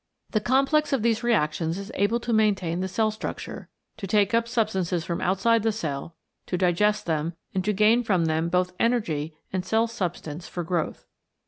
The complex of these reactions is able to maintain the cell structure, to take up substances from outside the cell to digest them and to gain from them both energy and cell substance for growth.